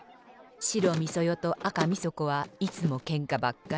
白みそ代と赤みそ子はいつもけんかばっかり。